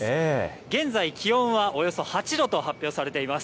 現在、気温はおよそ８度と発表されています。